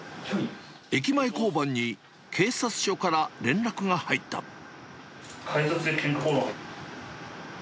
駅前交番に警察署から連絡が改札でけんか、口論。